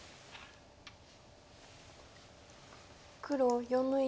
黒４の一。